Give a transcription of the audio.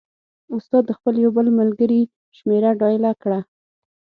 استاد د خپل یو بل ملګري شمېره ډایله کړه.